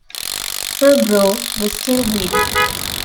Her brow was still bleeding.